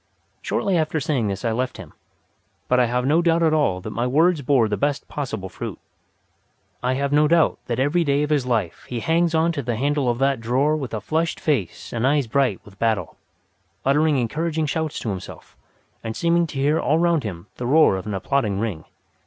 Shortly after saying this I left him; but I have no doubt at all that my words bore the best possible fruit. I have no doubt that every day of his life he hangs on to the handle of that drawer with a flushed face and eyes bright with battle, uttering encouraging shouts to himself, and seeming to hear all round him the roar of an applauding ring.